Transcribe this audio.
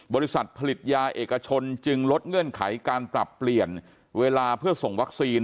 บริษัทผลิตยาเอกชนจึงลดเงื่อนไขการปรับเปลี่ยนเวลาเพื่อส่งวัคซีน